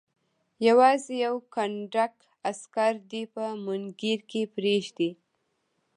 یوازې یو کنډک عسکر دې په مونګیر کې پرېږدي.